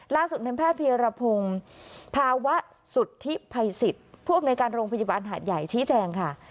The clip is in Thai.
ล่าสุดในแพทย์เพียรพงศ์ภาวะสุดทิภัยสิทธิ์ภูมิในการโรงพยาบาลหาดใหญ่ชี้แจงค่ะ